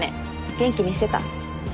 元気にしてた？